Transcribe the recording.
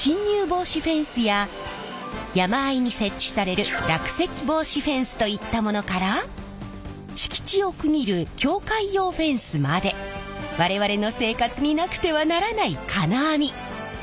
防止フェンスや山あいに設置される落石防止フェンスといったものから敷地を区切る境界用フェンスまで我々の生活になくてはならない金網！